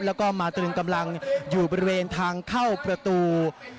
แล้วก็มาตรึงกำลังอยู่บริเวณทางเข้าประตู